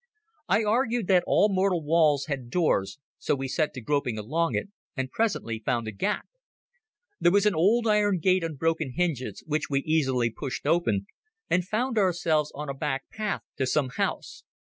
I argued that all mortal walls had doors, so we set to groping along it, and presently found a gap. There was an old iron gate on broken hinges, which we easily pushed open, and found ourselves on a back path to some house.